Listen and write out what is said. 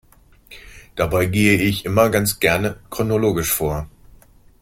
Dabei gehe ich immer ganz gerne chronologisch vor.